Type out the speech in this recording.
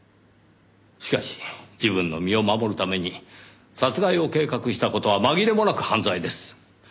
しかし自分の身を守るために殺害を計画した事は紛れもなく犯罪です。